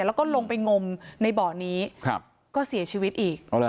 แล้วก็ลงไปงมในบ่อนี้ก็เสียชีวิตอีก